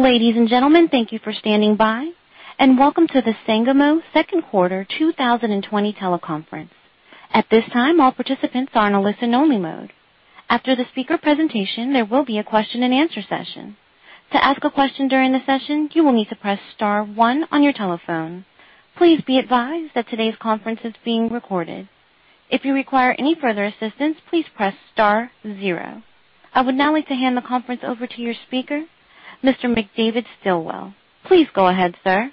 Ladies and gentlemen, thank you for standing by, and welcome to the Sangamo Second Quarter 2020 teleconference. At this time, all participants are in a listen-only mode. After the speaker presentation, there will be a question-and-answer session. To ask a question during the session, you will need to press star one on your telephone. Please be advised that today's conference is being recorded. If you require any further assistance, please press star zero. I would now like to hand the conference over to your speaker, Mr. McDavid Stilwell. Please go ahead, sir.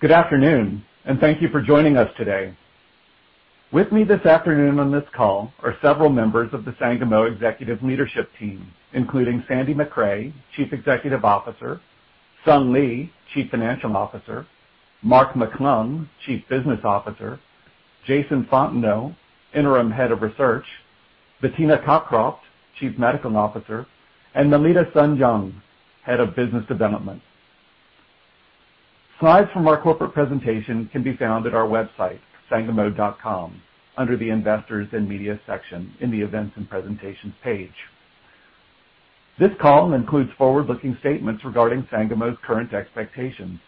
Good afternoon, and thank you for joining us today. With me this afternoon on this call are several members of the Sangamo Executive Leadership Team, including Sandy Macrae, Chief Executive Officer, Sung Lee, Chief Financial Officer, Mark McClung, Chief Business Officer, Jason Fontenot, Interim Head of Research, Bettina Cockroft, Chief Medical Officer, and Melita Sun Jung, Head of Business Development. Slides from our corporate presentation can be found at our website, sangamo.com, under the Investors and Media section in the Events and Presentations page. This call includes forward-looking statements regarding Sangamo's current expectations.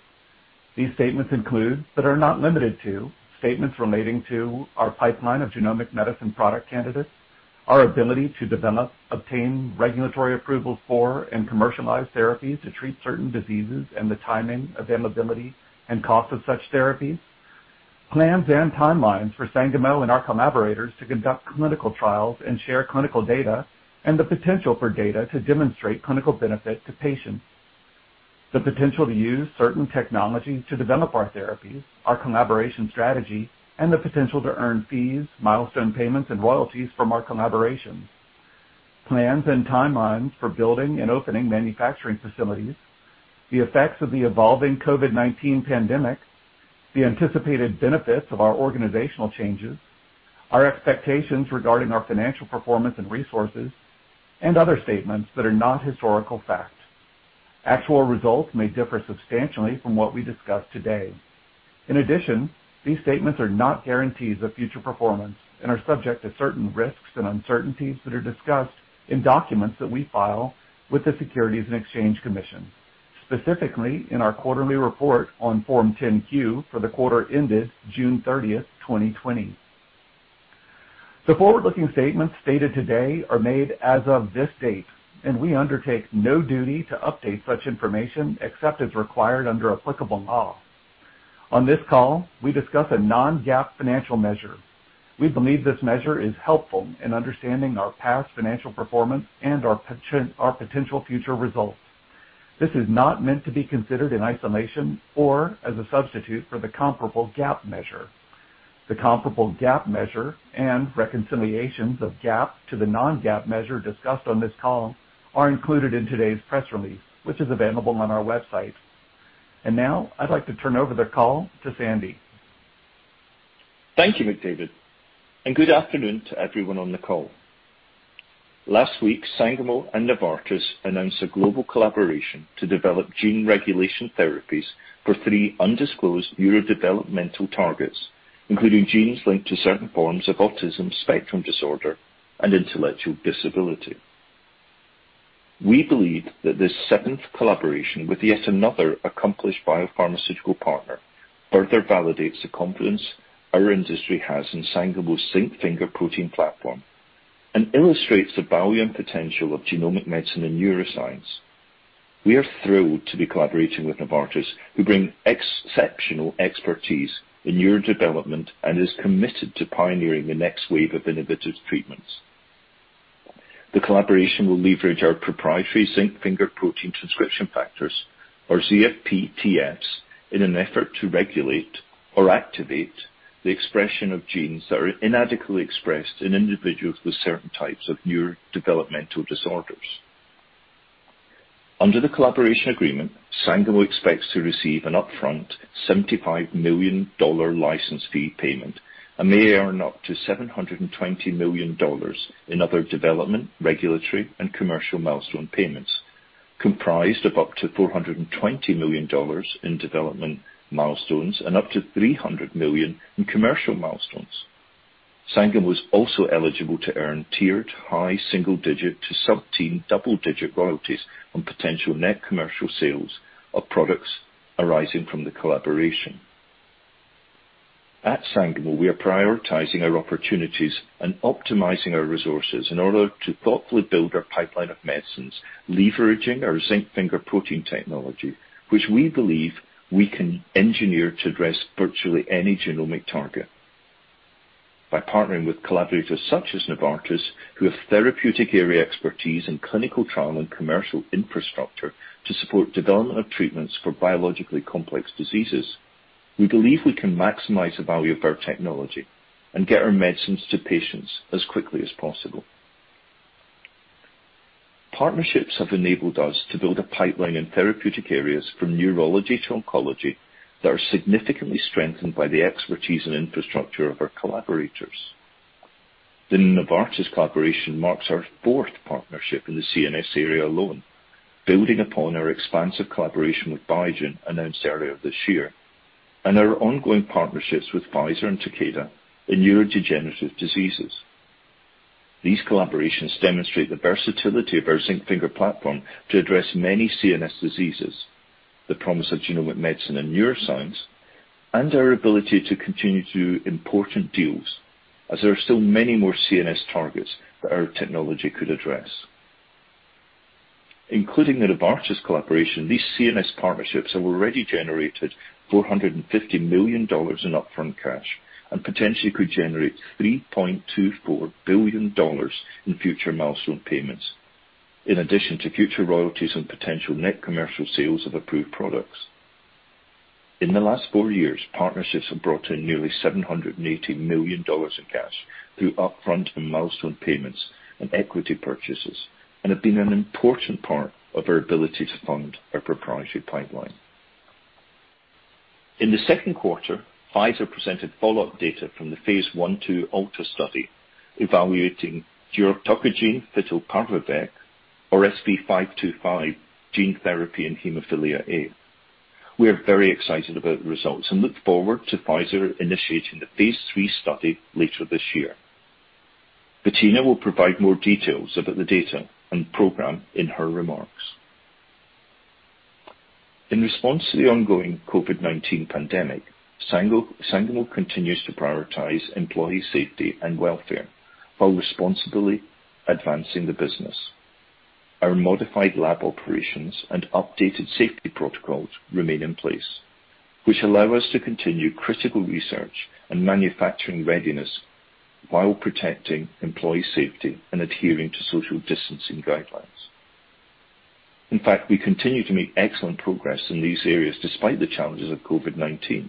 These statements include, but are not limited to, statements relating to our pipeline of genomic medicine product candidates, our ability to develop, obtain regulatory approvals for and commercialize therapies to treat certain diseases, and the timing, availability, and cost of such therapies, plans and timelines for Sangamo and our collaborators to conduct clinical trials and share clinical data, and the potential for data to demonstrate clinical benefit to patients, the potential to use certain technologies to develop our therapies, our collaboration strategy, and the potential to earn fees, milestone payments, and royalties from our collaborations, plans and timelines for building and opening manufacturing facilities, the effects of the evolving COVID-19 pandemic, the anticipated benefits of our organizational changes, our expectations regarding our financial performance and resources, and other statements that are not historical fact. Actual results may differ substantially from what we discuss today. In addition, these statements are not guarantees of future performance and are subject to certain risks and uncertainties that are discussed in documents that we file with the Securities and Exchange Commission, specifically in our quarterly report on Form 10-Q for the quarter ended June 30th, 2020. The forward-looking statements stated today are made as of this date, and we undertake no duty to update such information except as required under applicable law. On this call, we discuss a non-GAAP financial measure. We believe this measure is helpful in understanding our past financial performance and our potential future results. This is not meant to be considered in isolation or as a substitute for the comparable GAAP measure. The comparable GAAP measure and reconciliations of GAAP to the non-GAAP measure discussed on this call are included in today's press release, which is available on our website. I would like to turn over the call to Sandy. Thank you, McDavid, and good afternoon to everyone on the call. Last week, Sangamo and Novartis announced a global collaboration to develop gene regulation therapies for three undisclosed neurodevelopmental targets, including genes linked to certain forms of autism spectrum disorder and intellectual disability. We believe that this seventh collaboration with yet another accomplished biopharmaceutical partner further validates the confidence our industry has in Sangamo's Zinc Finger Protein Platform and illustrates the value and potential of genomic medicine and neuroscience. We are thrilled to be collaborating with Novartis, who brings exceptional expertise in neurodevelopment and is committed to pioneering the next wave of innovative treatments. The collaboration will leverage our proprietary Zinc Finger Protein Transcription Factors, or ZFPTFs, in an effort to regulate or activate the expression of genes that are inadequately expressed in individuals with certain types of neurodevelopmental disorders. Under the collaboration agreement, Sangamo expects to receive an upfront $75 million license fee payment and may earn up to $720 million in other development, regulatory, and commercial milestone payments, comprised of up to $420 million in development milestones and up to $300 million in commercial milestones. Sangamo is also eligible to earn tiered high single-digit to sub-teen double-digit royalties on potential net commercial sales of products arising from the collaboration. At Sangamo, we are prioritizing our opportunities and optimizing our resources in order to thoughtfully build our pipeline of medicines, leveraging our Zinc Finger Protein technology, which we believe we can engineer to address virtually any genomic target. By partnering with collaborators such as Novartis, who have therapeutic area expertise and clinical trial and commercial infrastructure to support development of treatments for biologically complex diseases, we believe we can maximize the value of our technology and get our medicines to patients as quickly as possible. Partnerships have enabled us to build a pipeline in therapeutic areas from neurology to oncology that are significantly strengthened by the expertise and infrastructure of our collaborators. The Novartis collaboration marks our fourth partnership in the CNS area alone, building upon our expansive collaboration with Biogen announced earlier this year, and our ongoing partnerships with Pfizer and Takeda in neurodegenerative diseases. These collaborations demonstrate the versatility of our Zinc Finger Platform to address many CNS diseases, the promise of genomic medicine and neuroscience, and our ability to continue to do important deals, as there are still many more CNS targets that our technology could address. Including the Novartis collaboration, these CNS partnerships have already generated $450 million in upfront cash and potentially could generate $3.24 billion in future milestone payments, in addition to future royalties and potential net commercial sales of approved products. In the last four years, partnerships have brought in nearly $780 million in cash through upfront and milestone payments and equity purchases and have been an important part of our ability to fund our proprietary pipeline. In the second quarter, Pfizer presented follow-up data from the phase I-II Alta study evaluating giroctocogene fitelparvovec, or SB-525, gene therapy in hemophilia A. We are very excited about the results and look forward to Pfizer initiating the phase III study later this year. Bettina will provide more details about the data and program in her remarks. In response to the ongoing COVID-19 pandemic, Sangamo continues to prioritize employee safety and welfare while responsibly advancing the business. Our modified lab operations and updated safety protocols remain in place, which allow us to continue critical research and manufacturing readiness while protecting employee safety and adhering to social distancing guidelines. In fact, we continue to make excellent progress in these areas despite the challenges of COVID-19.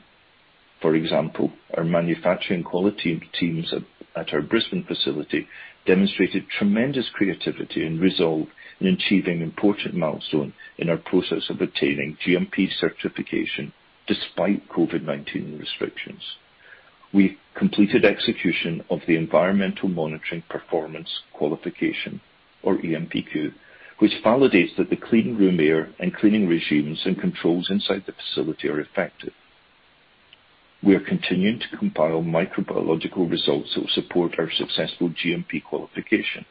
For example, our manufacturing quality teams at our Brisbane facility demonstrated tremendous creativity and resolve in achieving important milestones in our process of obtaining GMP certification despite COVID-19 restrictions. We've completed execution of the Environmental Monitoring Performance Qualification, or EMPQ, which validates that the clean room air and cleaning regimes and controls inside the facility are effective. We are continuing to compile microbiological results that will support our successful GMP qualification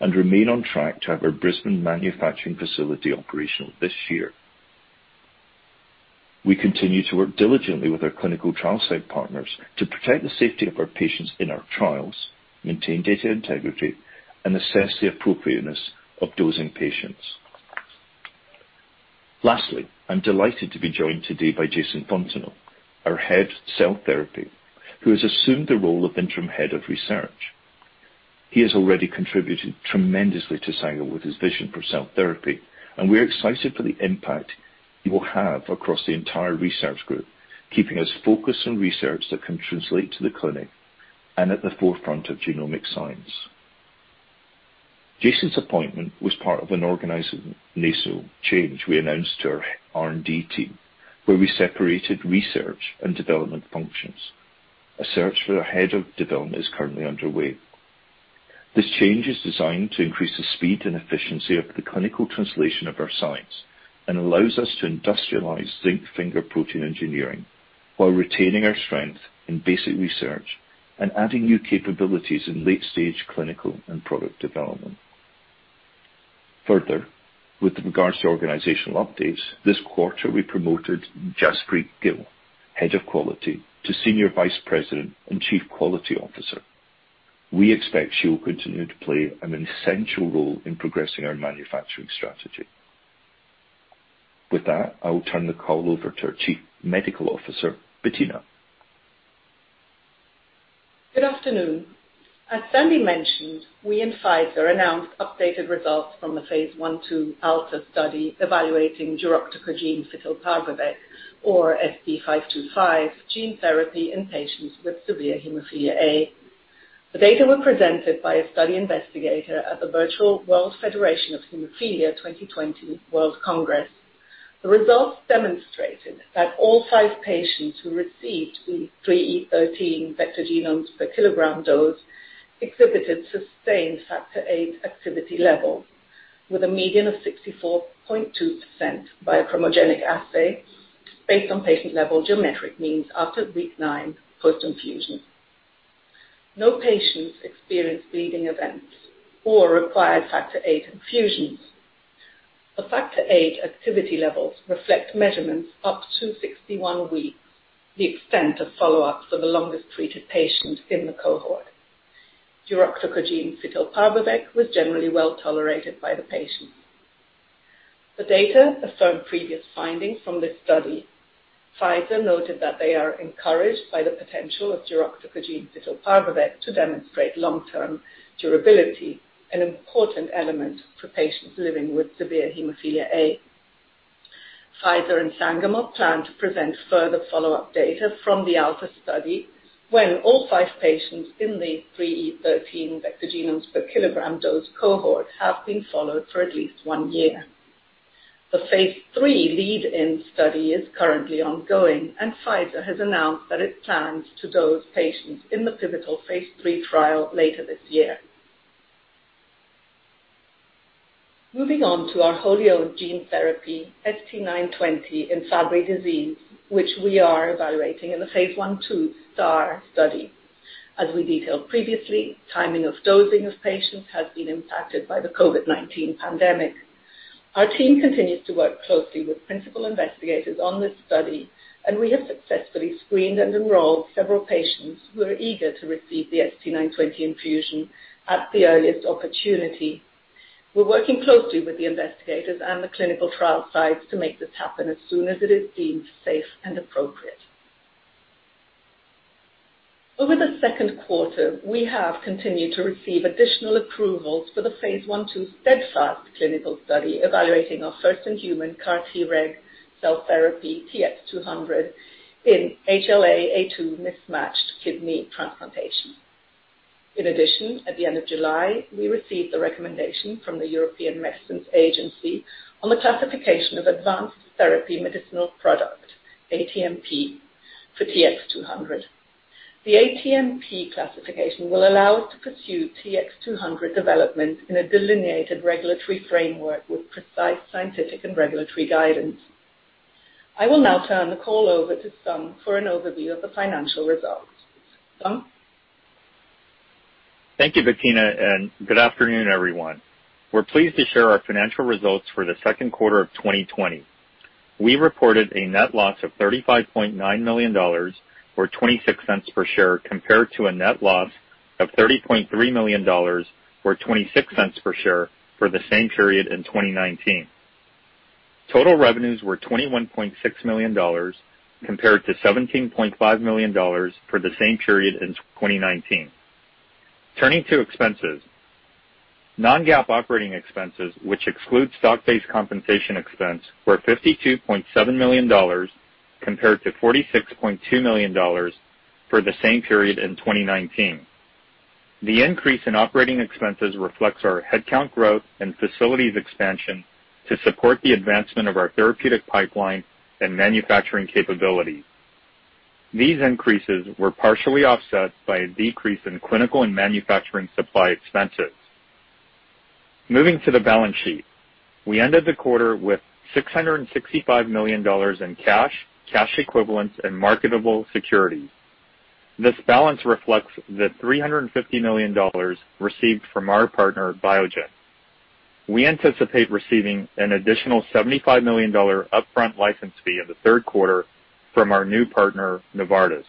and remain on track to have our Brisbane manufacturing facility operational this year. We continue to work diligently with our clinical trial site partners to protect the safety of our patients in our trials, maintain data integrity, and assess the appropriateness of dosing patients. Lastly, I'm delighted to be joined today by Jason Fontenot, our Head of Cell Therapy, who has assumed the role of Interim Head of Research. He has already contributed tremendously to Sangamo with his vision for cell therapy, and we're excited for the impact he will have across the entire research group, keeping us focused on research that can translate to the clinic and at the forefront of genomic science. Jason's appointment was part of an organizational change we announced to our R&D team, where we separated research and development functions. A search for a head of development is currently underway. This change is designed to increase the speed and efficiency of the clinical translation of our science and allows us to industrialize Zinc Finger Protein engineering while retaining our strength in basic research and adding new capabilities in late-stage clinical and product development. Further, with regards to organizational updates, this quarter we promoted Jaspreet Gill, head of quality, to Senior Vice President and Chief Quality Officer. We expect she will continue to play an essential role in progressing our manufacturing strategy. With that, I will turn the call over to our Chief Medical Officer, Bettina. Good afternoon. As Sandy mentioned, we and Pfizer announced updated results from the phase I-II ALTA study evaluating giroctocogene fitelparvovec, or SB-525, gene therapy in patients with severe hemophilia A. The data were presented by a study investigator at the Virtual World Federation of Hemophilia 2020 World Congress. The results demonstrated that all five patients who received the 3E13 vector genomes per kilogram dose exhibited sustained Factor VIII activity levels, with a median of 64.2% by a chromogenic assay based on patient-level geometric means after week nine post-infusion. No patients experienced bleeding events or required Factor VIII infusions. The Factor VIII activity levels reflect measurements up to 61 weeks, the extent of follow-up for the longest-treated patient in the cohort. Giroctocogene fitelparvovec was generally well tolerated by the patients. The data affirm previous findings from this study. Pfizer noted that they are encouraged by the potential of giroctocogene fitelparvovec to demonstrate long-term durability, an important element for patients living with severe hemophilia A. Pfizer and Sangamo plan to present further follow-up data from the ALTA study when all five patients in the 3E13 vector genomes per kilogram dose cohort have been followed for at least one year. The phase III lead-in study is currently ongoing, and Pfizer has announced that it plans to dose patients in the pivotal phase III trial later this year. Moving on to our wholly owned gene therapy, ST-920, in Fabry disease, which we are evaluating in the phase I-II STAAR study. As we detailed previously, timing of dosing of patients has been impacted by the COVID-19 pandemic. Our team continues to work closely with principal investigators on this study, and we have successfully screened and enrolled several patients who are eager to receive the ST-920 infusion at the earliest opportunity. We're working closely with the investigators and the clinical trial sites to make this happen as soon as it is deemed safe and appropriate. Over the second quarter, we have continued to receive additional approvals for the phase I-II Steadfast clinical study evaluating our first-in-human CAR-Treg cell therapy, TX200, in HLA-A*2 mismatched kidney transplantation. In addition, at the end of July, we received the recommendation from the European Medicines Agency on the classification of advanced therapy medicinal product, ATMP, for TX200. The ATMP classification will allow us to pursue TX200 development in a delineated regulatory framework with precise scientific and regulatory guidance. I will now turn the call over to Sung for an overview of the financial results. Sung? Thank you, Bettina, and good afternoon, everyone. We're pleased to share our financial results for the second quarter of 2020. We reported a net loss of $35.9 million, or $0.26 per share, compared to a net loss of $30.3 million, or $0.26 per share, for the same period in 2019. Total revenues were $21.6 million, compared to $17.5 million for the same period in 2019. Turning to expenses, non-GAAP operating expenses, which excludes stock-based compensation expense, were $52.7 million, compared to $46.2 million for the same period in 2019. The increase in operating expenses reflects our headcount growth and facilities expansion to support the advancement of our therapeutic pipeline and manufacturing capabilities. These increases were partially offset by a decrease in clinical and manufacturing supply expenses. Moving to the balance sheet, we ended the quarter with $665 million in cash, cash equivalents, and marketable securities. This balance reflects the $350 million received from our partner, Biogen. We anticipate receiving an additional $75 million upfront license fee in the third quarter from our new partner, Novartis.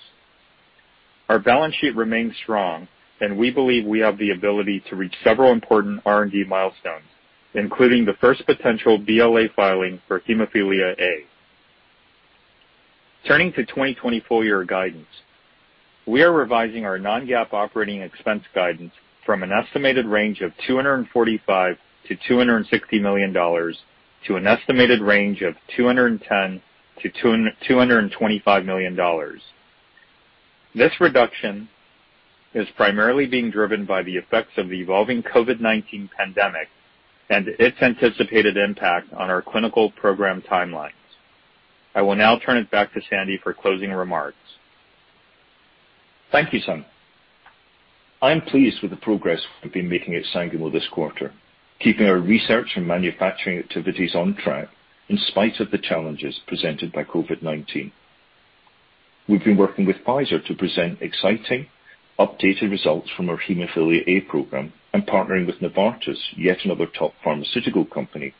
Our balance sheet remains strong, and we believe we have the ability to reach several important R&D milestones, including the first potential BLA filing for hemophilia A. Turning to 2024 year guidance, we are revising our non-GAAP operating expense guidance from an estimated range of $245-$260 million to an estimated range of $210-$225 million. This reduction is primarily being driven by the effects of the evolving COVID-19 pandemic and its anticipated impact on our clinical program timelines. I will now turn it back to Sandy for closing remarks. Thank you, Sung. I'm pleased with the progress we've been making at Sangamo this quarter, keeping our research and manufacturing activities on track in spite of the challenges presented by COVID-19. We've been working with Pfizer to present exciting, updated results from our hemophilia A program and partnering with Novartis, yet another top pharmaceutical company,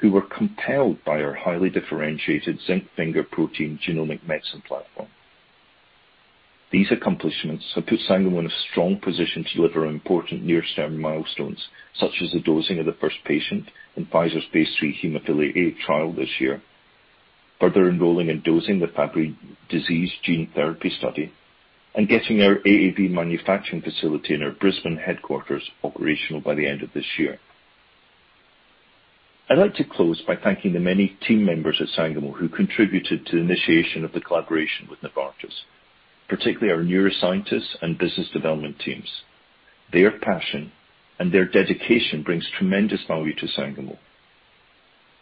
who were compelled by our highly differentiated Zinc Finger Protein genomic medicine platform. These accomplishments have put Sangamo in a strong position to deliver important near-term milestones, such as the dosing of the first patient in Pfizer's phase III hemophilia A trial this year, further enrolling and dosing the Fabry disease gene therapy study, and getting our AAV manufacturing facility in our Brisbane headquarters operational by the end of this year. I'd like to close by thanking the many team members at Sangamo who contributed to the initiation of the collaboration with Novartis, particularly our neuroscientists and business development teams. Their passion and their dedication brings tremendous value to Sangamo.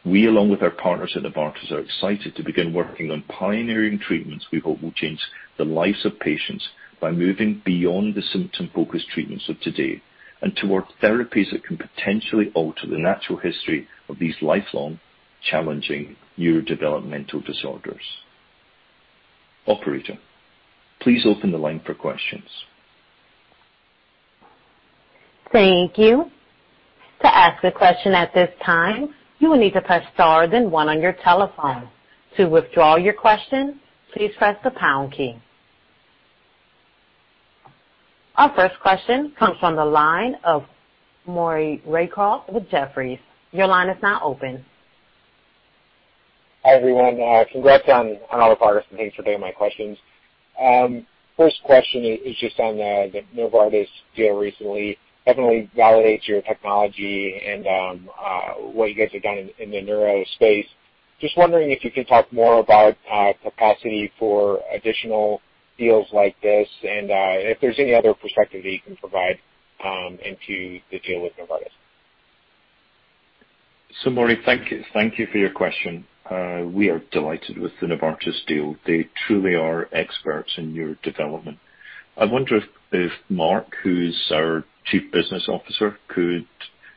We, along with our partners at Novartis, are excited to begin working on pioneering treatments we hope will change the lives of patients by moving beyond the symptom-focused treatments of today and toward therapies that can potentially alter the natural history of these lifelong, challenging neurodevelopmental disorders. Operator, please open the line for questions. Thank you. To ask a question at this time, you will need to press star then one on your telephone. To withdraw your question, please press the pound key. Our first question comes from the line of Maury Raycroft with Jefferies. Your line is now open. Hi, everyone. Congrats on all the progress. I'm making today on my questions. First question is just on the Novartis deal recently. Definitely validates your technology and what you guys have done in the neuro space. Just wondering if you could talk more about capacity for additional deals like this and if there's any other perspective that you can provide into the deal with Novartis. Mori, thank you for your question. We are delighted with the Novartis deal. They truly are experts in neuro development. I wonder if Mark, who's our Chief Business Officer, could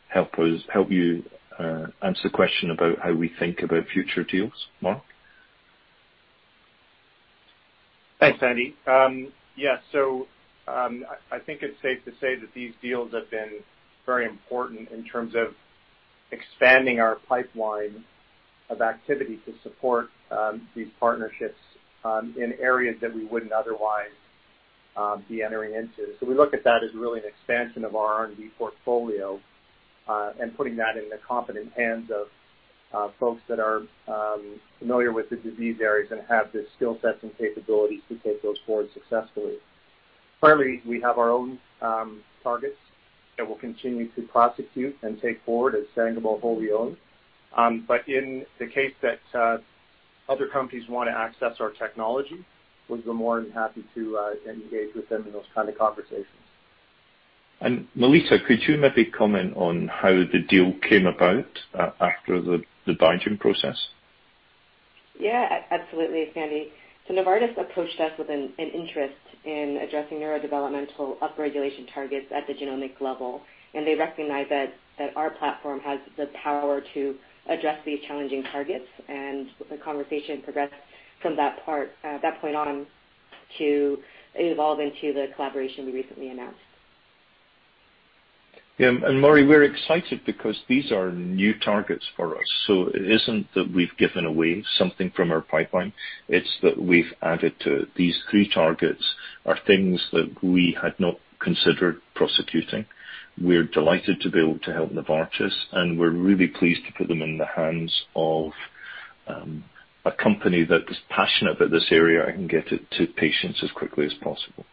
help you answer the question about how we think about future deals. Mark? Thanks, Andy. Yeah, I think it's safe to say that these deals have been very important in terms of expanding our pipeline of activity to support these partnerships in areas that we wouldn't otherwise be entering into. We look at that as really an expansion of our R&D portfolio and putting that in the competent hands of folks that are familiar with the disease areas and have the skill sets and capabilities to take those forward successfully. Currently, we have our own targets that we'll continue to prosecute and take forward as Sangamo wholly owned. In the case that other companies want to access our technology, we'll be more than happy to engage with them in those kinds of conversations. Melissa, could you maybe comment on how the deal came about after the buying process? Yeah, absolutely, Sandy. Novartis approached us with an interest in addressing neurodevelopmental upregulation targets at the genomic level, and they recognize that our platform has the power to address these challenging targets. The conversation progressed from that point on to evolve into the collaboration we recently announced. Mori, we're excited because these are new targets for us. It isn't that we've given away something from our pipeline. It's that we've added to these three targets are things that we had not considered prosecuting. We're delighted to be able to help Novartis, and we're really pleased to put them in the hands of a company that is passionate about this area and can get it to patients as quickly as possible.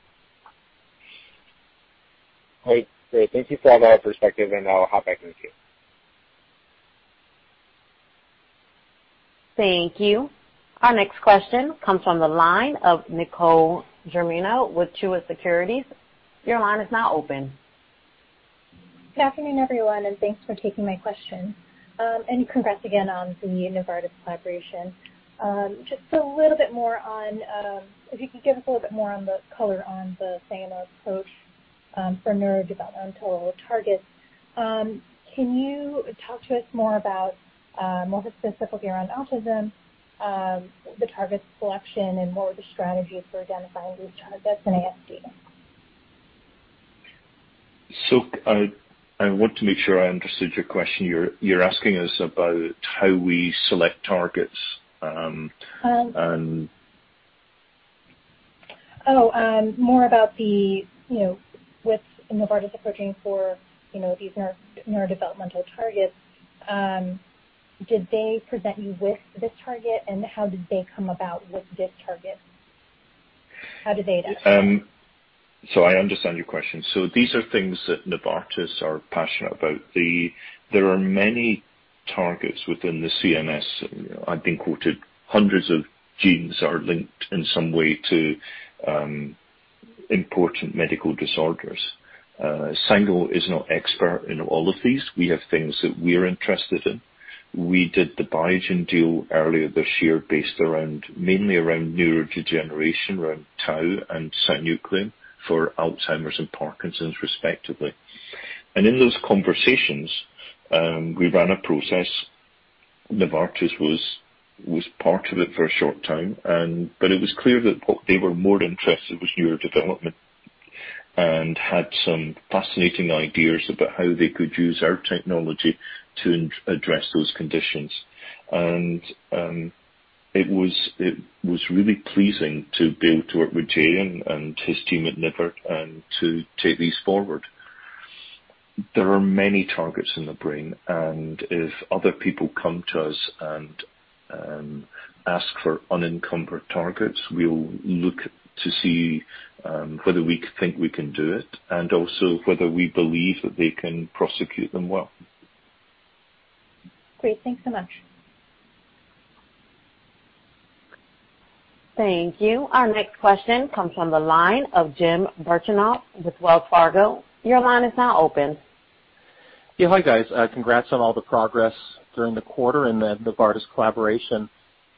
Great. Thank you for all the perspective, and I'll hop back in with you. Thank you. Our next question comes from the line of Nicole Germino with Chua Securities. Your line is now open. Good afternoon, everyone, and thanks for taking my question. Congrats again on the Novartis collaboration. Just a little bit more on if you could give us a little bit more on the color on the Sangamo approach for neurodevelopmental targets. Can you talk to us more about more specifically around autism, the target selection, and what were the strategies for identifying these I want to make sure I understood your question. You're asking us about how we select targets. Oh, more about the with Novartis approaching for these neurodevelopmental targets, did they present you with this target, and how did they come about with this target? How did they identify? I understand your question. These are things that Novartis are passionate about. There are many targets within the CNS. I've been quoted hundreds of genes are linked in some way to important medical disorders. Sangamo is not expert in all of these. We have things that we are interested in. We did the Biogen deal earlier this year based mainly around neurodegeneration, around Tau and cytinuclein for Alzheimer's and Parkinson's, respectively. In those conversations, we ran a process. Novartis was part of it for a short time, but it was clear that what they were more interested in was neurodevelopment and had some fascinating ideas about how they could use our technology to address those conditions. It was really pleasing to be able to work with Jay and his team at Novartis and to take these forward. There are many targets in the brain, and if other people come to us and ask for unencumbered targets, we will look to see whether we think we can do it and also whether we believe that they can prosecute them well. Great. Thanks so much. Thank you. Our next question comes from the line of Jim Burchenoff with Wells Fargo. Your line is now open. Yeah, hi, guys. Congrats on all the progress during the quarter and the Novartis collaboration.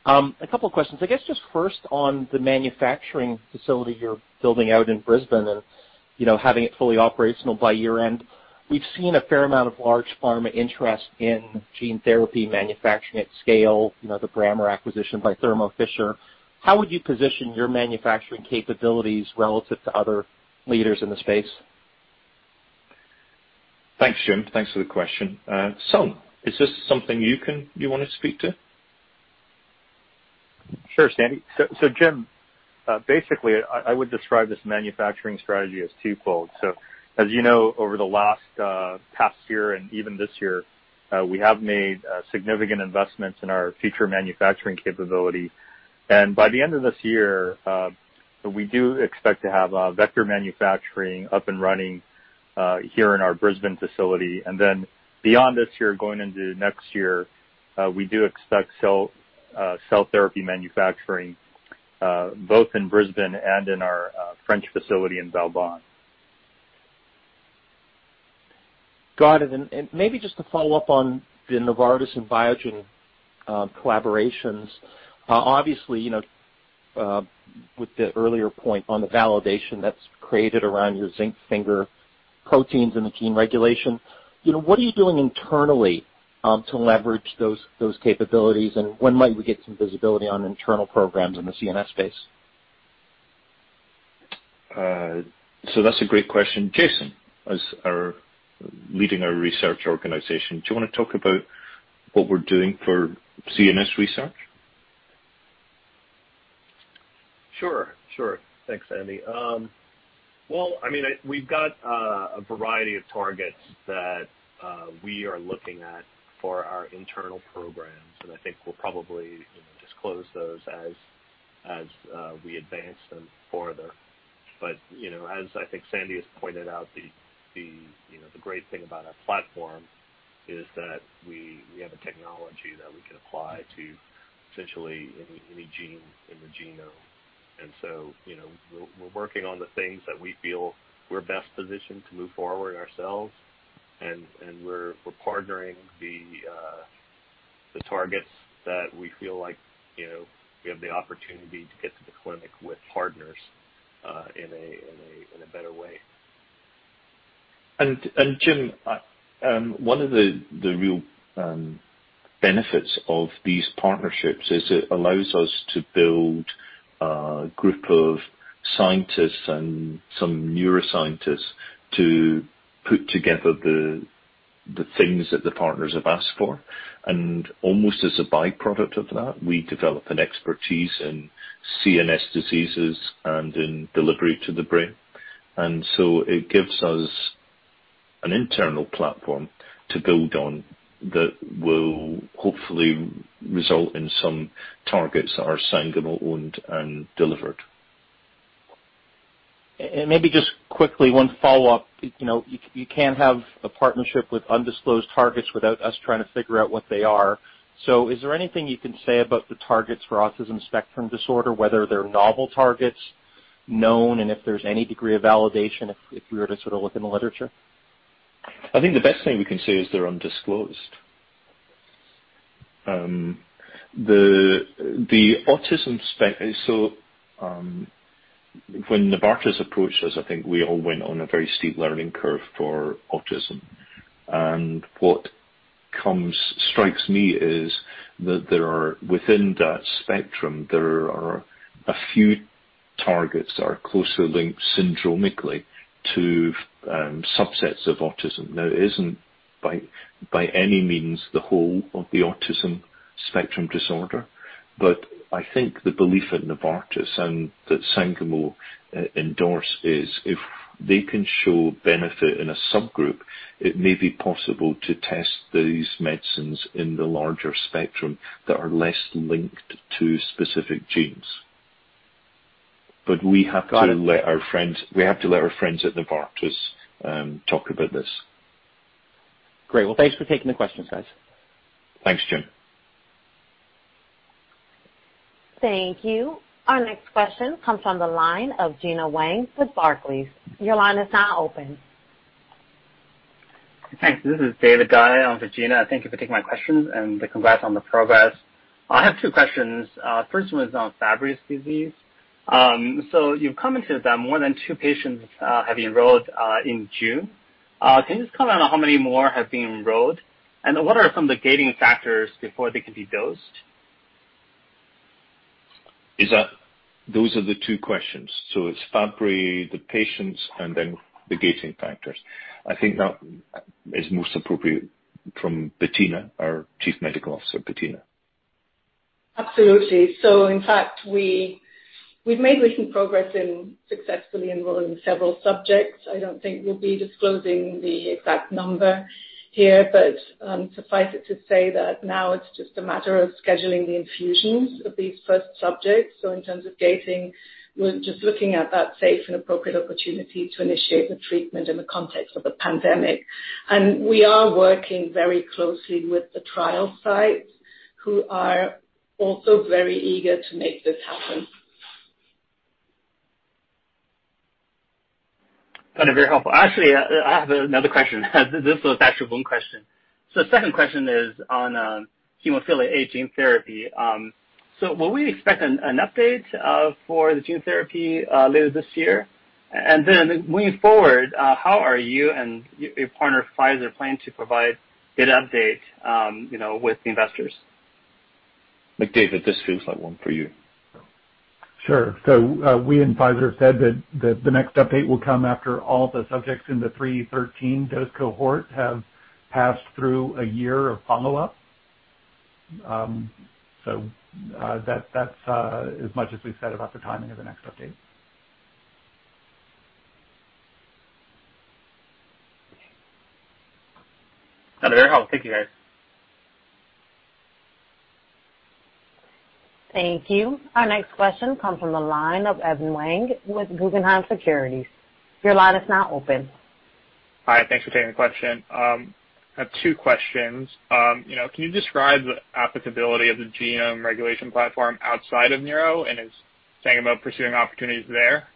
A couple of questions. I guess just first on the manufacturing facility you're building out in Brisbane and having it fully operational by year-end. We've seen a fair amount of large pharma interest in gene therapy manufacturing at scale, the Brammer acquisition by Thermo Fisher. How would you position your manufacturing capabilities relative to other leaders in the space? Thanks, Jim. Thanks for the question. Sung, is this something you want to speak to? Sure, Sandy. Jim, basically, I would describe this manufacturing strategy as twofold. As you know, over the past year and even this year, we have made significant investments in our future manufacturing capability. By the end of this year, we do expect to have vector manufacturing up and running here in our Brisbane facility. Beyond this year, going into next year, we do expect cell therapy manufacturing both in Brisbane and in our French facility in Valbonne. Got it. Maybe just to follow up on the Novartis and Biogen collaborations, obviously, with the earlier point on the validation that's created around your zinc finger proteins and the gene regulation, what are you doing internally to leverage those capabilities, and when might we get some visibility on internal programs in the CNS space? That's a great question. Jason, as our leading our research organization, do you want to talk about what we're doing for CNS research? Sure. Sure. Thanks, Andy. I mean, we've got a variety of targets that we are looking at for our internal programs, and I think we'll probably disclose those as we advance them further. As I think Sandy has pointed out, the great thing about our platform is that we have a technology that we can apply to essentially any gene in the genome. We are working on the things that we feel we're best positioned to move forward ourselves, and we're partnering the targets that we feel like we have the opportunity to get to the clinic with partners in a better way. Jim, one of the real benefits of these partnerships is it allows us to build a group of scientists and some neuroscientists to put together the things that the partners have asked for. Almost as a byproduct of that, we develop an expertise in CNS diseases and in delivery to the brain. It gives us an internal platform to build on that will hopefully result in some targets that are Sangamo-owned and delivered. Maybe just quickly, one follow-up. You can't have a partnership with undisclosed targets without us trying to figure out what they are. Is there anything you can say about the targets for autism spectrum disorder, whether they're novel targets, known, and if there's any degree of validation if we were to sort of look in the literature? I think the best thing we can say is they're undisclosed. When Novartis approached us, I think we all went on a very steep learning curve for autism. What strikes me is that within that spectrum, there are a few targets that are closely linked syndromically to subsets of autism. It isn't by any means the whole of the autism spectrum disorder, but I think the belief at Novartis and that Sangamo endorse is if they can show benefit in a subgroup, it may be possible to test these medicines in the larger spectrum that are less linked to specific genes. We have to let our friends at Novartis talk about this. Great. Thanks for taking the questions, guys. Thanks, Jim. Thank you. Our next question comes from the line of Gena Wang with Barclays. Your line is now open. Thanks. This is David Guy. I'm for Gena. Thank you for taking my questions and the congrats on the progress. I have two questions. First one is on Fabry disease. You commented that more than two patients have been enrolled in June. Can you just comment on how many more have been enrolled? What are some of the gating factors before they can be dosed? Those are the two questions. It is Fabry, the patients, and then the gating factors. I think that is most appropriate from Bettina, our Chief Medical Officer, Bettina. Absolutely. In fact, we've made recent progress in successfully enrolling several subjects. I don't think we'll be disclosing the exact number here, but suffice it to say that now it's just a matter of scheduling the infusions of these first subjects. In terms of gating, we're just looking at that safe and appropriate opportunity to initiate the treatment in the context of the pandemic. We are working very closely with the trial sites who are also very eager to make this happen. That's very helpful. Actually, I have another question. This was actually one question. The second question is on hemophilia A gene therapy. Will we expect an update for the gene therapy later this year? Moving forward, how are you and your partner, Pfizer, planning to provide an update with the investors? McDavid, this feels like one for you. Sure. We in Pfizer have said that the next update will come after all of the subjects in the 313 dose cohort have passed through a year of follow-up. That is as much as we have said about the timing of the next update. That's very helpful. Thank you, guys. Thank you. Our next question comes from the line of Evan Wang with Guggenheim Securities. Your line is now open. Hi. Thanks for taking the question. I have two questions. Can you describe the applicability of the genome regulation platform outside of neuro and is Sangamo pursuing opportunities there?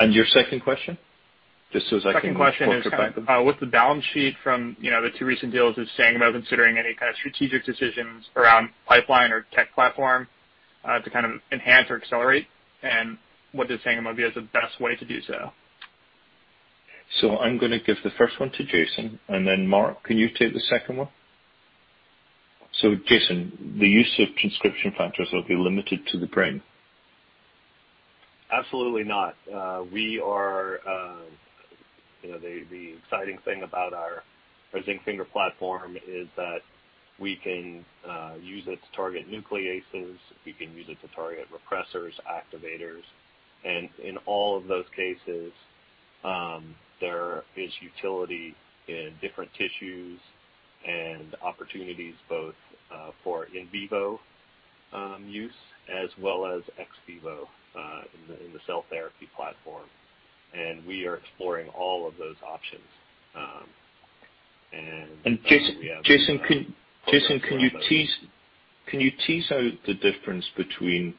Your second question? Just as I can focus back. Second question is with the balance sheet from the two recent deals, is Sangamo considering any kind of strategic decisions around pipeline or tech platform to kind of enhance or accelerate? What does Sangamo view as the best way to do so? I'm going to give the first one to Jason. Then Mark, can you take the second one? Jason, the use of transcription factors will be limited to the brain? Absolutely not. The exciting thing about our Zinc Finger platform is that we can use it to target nucleases. We can use it to target repressors, activators. In all of those cases, there is utility in different tissues and opportunities both for in vivo use as well as ex vivo in the cell therapy platform. We are exploring all of those options. We have. Jason, can you tease out the difference between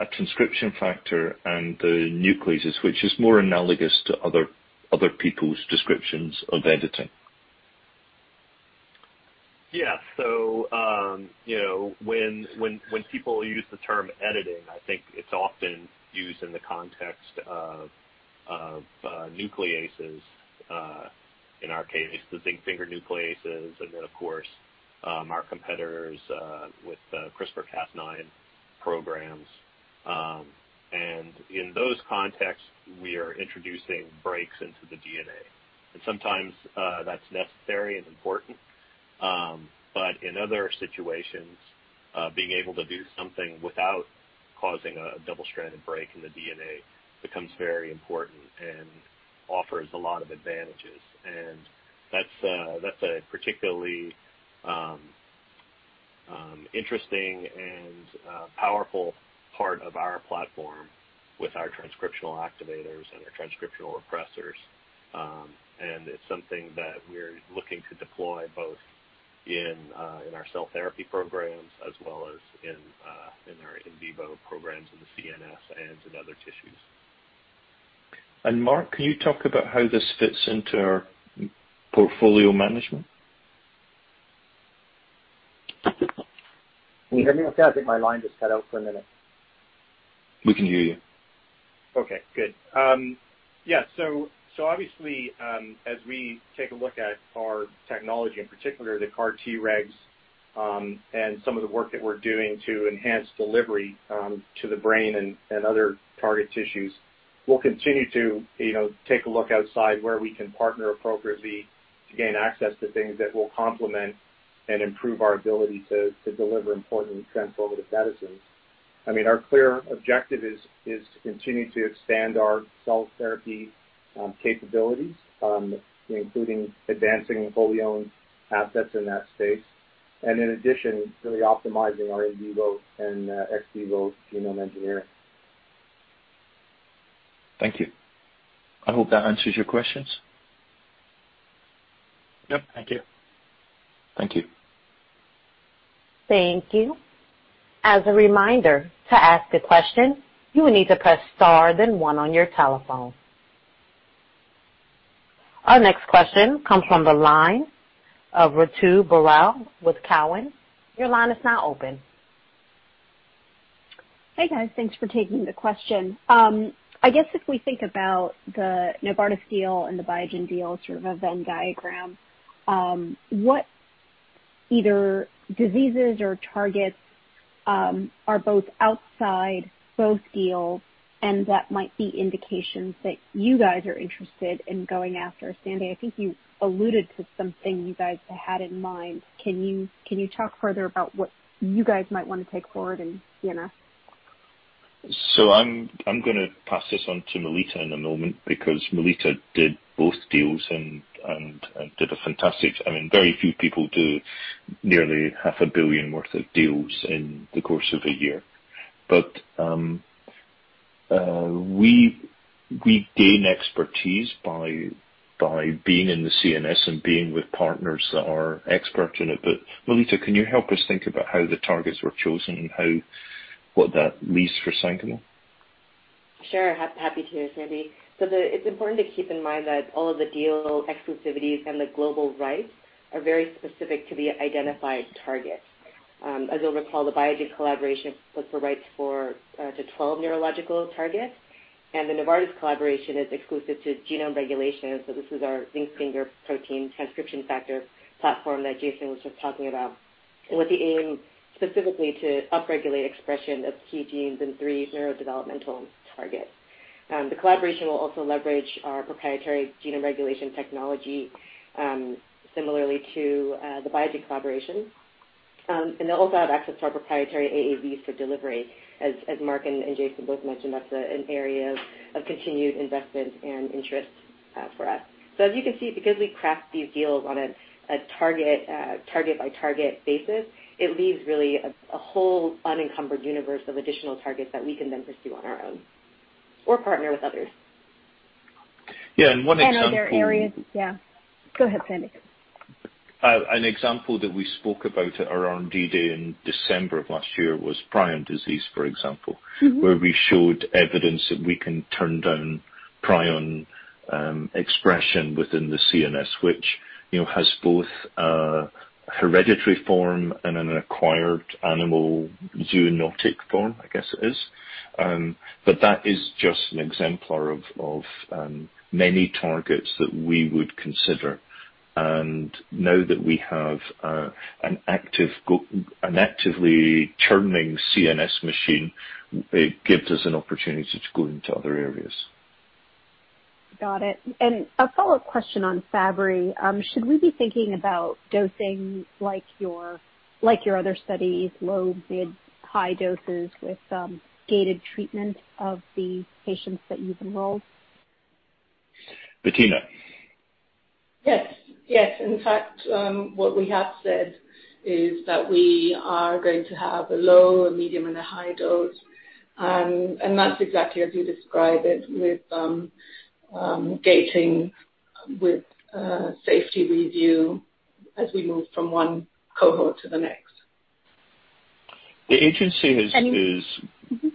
a transcription factor and the nucleases, which is more analogous to other people's descriptions of editing? Yeah. When people use the term editing, I think it's often used in the context of nucleases, in our case, the Zinc Finger nucleases, and then, of course, our competitors with the CRISPR-Cas9 programs. In those contexts, we are introducing breaks into the DNA. Sometimes that's necessary and important. In other situations, being able to do something without causing a double-stranded break in the DNA becomes very important and offers a lot of advantages. That's a particularly interesting and powerful part of our platform with our transcriptional activators and our transcriptional repressors. It's something that we're looking to deploy both in our cell therapy programs as well as in our in vivo programs in the CNS and in other tissues. Mark, can you talk about how this fits into our portfolio management? Can you hear me okay? I think my line just cut out for a minute. We can hear you. Okay. Good. Yeah. Obviously, as we take a look at our technology, in particular, the CAR-Tregs and some of the work that we're doing to enhance delivery to the brain and other target tissues, we'll continue to take a look outside where we can partner appropriately to gain access to things that will complement and improve our ability to deliver important transformative medicines. I mean, our clear objective is to continue to expand our cell therapy capabilities, including advancing fully-owned assets in that space. In addition, really optimizing our in vivo and ex vivo genome engineering. Thank you. I hope that answers your questions. Yep. Thank you. Thank you. Thank you. As a reminder to ask a question, you will need to press star then one on your telephone. Our next question comes from the line of Ratu Barow with Cowen. Your line is now open. Hey, guys. Thanks for taking the question. I guess if we think about the Novartis deal and the Biogen deal, sort of a Venn diagram, what either diseases or targets are both outside both deals, and that might be indications that you guys are interested in going after? Sandy, I think you alluded to something you guys had in mind. Can you talk further about what you guys might want to take forward in CNS? I'm going to pass this on to Melita in a moment because Melita did both deals and did a fantastic—I mean, very few people do nearly $500 million worth of deals in the course of a year. We gain expertise by being in the CNS and being with partners that are experts in it. Melita, can you help us think about how the targets were chosen and what that leads for Sangamo? Sure. Happy to hear, Sandy. It is important to keep in mind that all of the deal exclusivities and the global rights are very specific to the identified targets. As you'll recall, the Biogen collaboration puts the rights to 12 neurological targets. The Novartis collaboration is exclusive to genome regulation. This is our Zinc Finger protein transcription factor platform that Jason was just talking about with the aim specifically to upregulate expression of key genes in three neurodevelopmental targets. The collaboration will also leverage our proprietary genome regulation technology, similarly to the Biogen collaboration. They will also have access to our proprietary AAVs for delivery. As Mark and Jason both mentioned, that is an area of continued investment and interest for us. As you can see, because we craft these deals on a target-by-target basis, it leaves really a whole unencumbered universe of additional targets that we can then pursue on our own or partner with others. Yeah. One example— Other areas—yeah. Go ahead, Sandy. An example that we spoke about at our R&D day in December of last year was prion disease, for example, where we showed evidence that we can turn down prion expression within the CNS, which has both a hereditary form and an acquired animal zoonotic form, I guess it is. That is just an exemplar of many targets that we would consider. Now that we have an actively churning CNS machine, it gives us an opportunity to go into other areas. Got it. A follow-up question on Fabry. Should we be thinking about dosing like your other studies, low, mid, high doses with gated treatment of the patients that you've enrolled? Bettina. Yes. Yes. In fact, what we have said is that we are going to have a low, a medium, and a high dose. That is exactly as you describe it with gating with safety review as we move from one cohort to the next. The agency is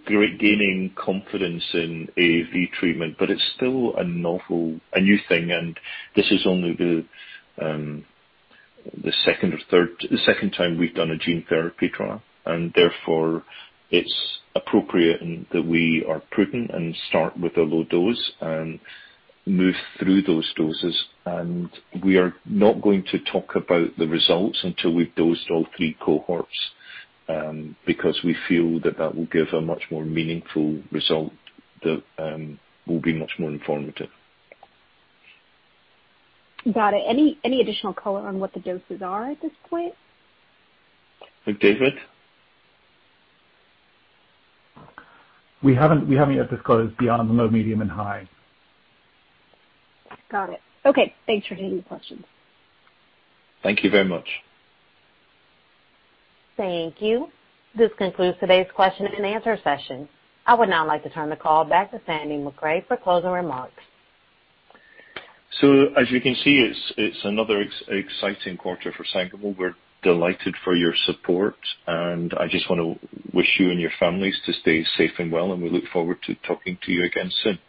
gaining confidence in AAV treatment, but it's still a novel and new thing. This is only the second or third, the second time we've done a gene therapy trial. Therefore, it's appropriate that we are prudent and start with a low dose and move through those doses. We are not going to talk about the results until we've dosed all three cohorts because we feel that that will give a much more meaningful result that will be much more informative. Got it. Any additional color on what the doses are at this point? David? We haven't yet disclosed beyond the low, medium, and high. Got it. Okay. Thanks for taking the questions. Thank you very much. Thank you. This concludes today's question and answer session. I would now like to turn the call back to Sandy Macrae for closing remarks. As you can see, it's another exciting quarter for Sangamo. We're delighted for your support. I just want to wish you and your families to stay safe and well. We look forward to talking to you again soon.